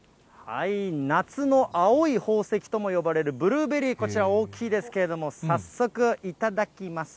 夏の青い宝石とも呼ばれるブルーベリー、こちら大きいですけれども、早速、いただきます。